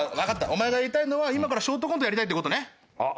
お前が言いたいのは今からショートコントやりたいって事ね。